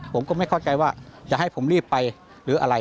ผมก็ไม่เข้าใจว่าจะให้ผมรีบไปหรืออะไร